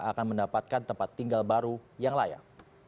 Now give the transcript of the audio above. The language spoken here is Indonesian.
akan mendapatkan tempat tinggal baru yang layak